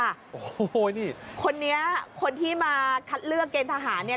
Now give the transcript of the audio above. โอ้โหนี่คนนี้คนที่มาคัดเลือกเกณฑ์ทหารเนี่ย